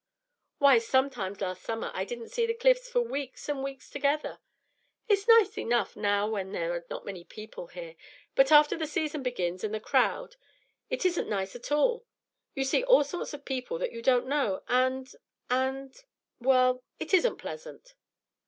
Why, sometimes last summer I didn't see the Cliffs for weeks and weeks together. It's nice enough now when there are not many people here; but after the season begins and the crowd, it isn't nice at all. You see all sorts of people that you don't know, and and well it isn't pleasant."